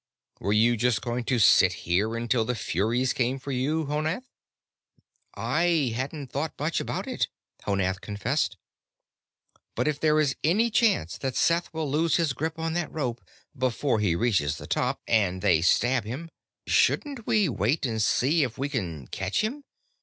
Were you just going to sit here until the furies came for you, Honath?" "I hadn't thought much about it," Honath confessed. "But if there is any chance that Seth will lose his grip on that rope before he reaches the top and they stab him shouldn't we wait and see if we can catch him?